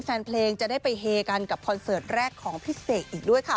แฟนเพลงจะได้ไปเฮกันกับคอนเสิร์ตแรกของพี่เสกอีกด้วยค่ะ